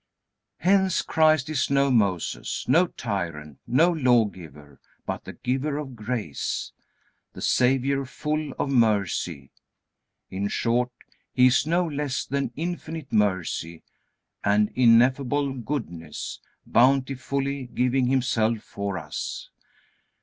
Hence, Christ is no Moses, no tyrant, no lawgiver, but the Giver of grace, the Savior, full of mercy. In short, He is no less than infinite mercy and ineffable goodness, bountifully giving Himself for us.